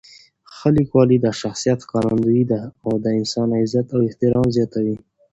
ښه لیکوالی د شخصیت ښکارندوی دی او د انسان عزت او احترام زیاتوي.